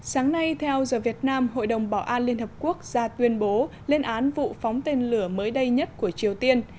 sáng nay theo the vietnam hội đồng bảo an liên hợp quốc ra tuyên bố lên án vụ phóng tên lửa mới đây nhất của triều tiên